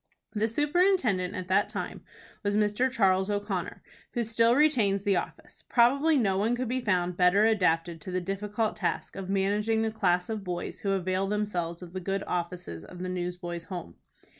The superintendent at that time was Mr. Charles O'Connor, who still retains the office. Probably no one could be found better adapted to the difficult task of managing the class of boys who avail themselves of the good offices of the Newsboys' Home.